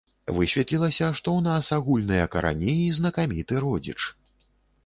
Высветлілася, што ў нас агульныя карані і знакаміты родзіч.